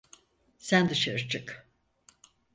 Sen dışarı çık.